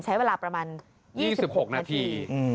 ใช้เวลาประมาณ๒๖นาที